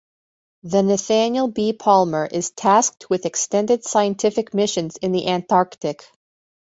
The Nathaniel B. Palmer is tasked with extended scientific missions in the Antarctic.